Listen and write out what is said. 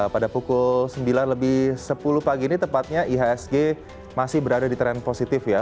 pada pukul sembilan lebih sepuluh pagi ini tepatnya ihsg masih berada di tren positif ya